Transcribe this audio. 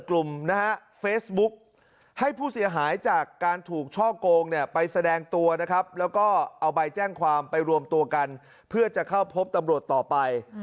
แล้วก็เอาใบแจ้งความไปรวมตัวกันเพื่อจะเข้าพบตำรวจต่อไป